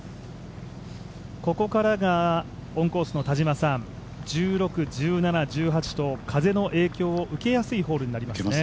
ここからが、オンコースの田島さん、１６、１７、１８と風の影響を受けやすいホールになってきますね。